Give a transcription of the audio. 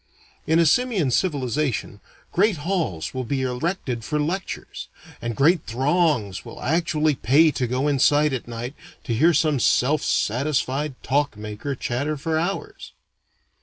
In a simian civilization, great halls will be erected for lectures, and great throngs will actually pay to go inside at night to hear some self satisfied talk maker chatter for hours.